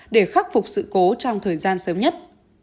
để khắc phục sự cố trong thời gian sớm nhất